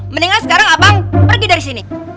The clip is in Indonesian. mendingan sekarang abang pergi dari sini